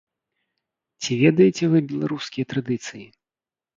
Ці ведаеце вы беларускія традыцыі?